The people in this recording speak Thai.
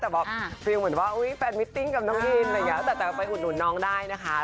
แต่บอกฟิวเหมือนว่าแฟนมิตติ้งกับน้องอินแต่ไปอุดหนุนน้องได้นะคะ